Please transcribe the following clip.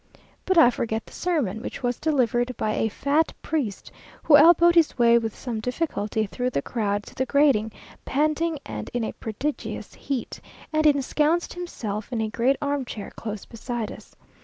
But I forget the sermon, which was delivered by a fat priest, who elbowed his way with some difficulty through the crowd to the grating, panting and in a prodigious heat, and ensconced himself in a great arm chair close beside us.